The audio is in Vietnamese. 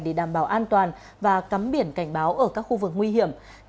để đảm bảo an toàn và cắm biển cảnh báo ở các khu vực nguy hiểm